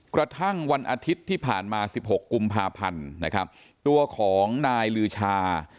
กระทั่งวันอาทิตย์ที่ผ่านมา๑๖กุมภาพันธ์นะครับตัวของนายลือชา